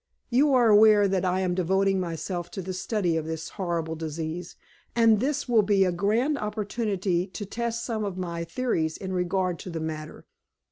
You are aware that I am devoting myself to the study of this horrible disease, and this will be a grand opportunity to test some of my theories in regard to the matter.